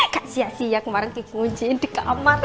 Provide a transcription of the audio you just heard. kasihan siang kemarin dikunciin di kamar